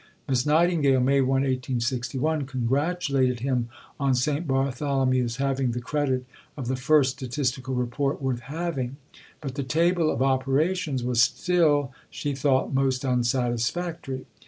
Miss Nightingale (May 1, 1861) congratulated him on "St. Bartholomew's having the credit of the first Statistical Report worth having," but the table of operations was still, she thought, most unsatisfactory.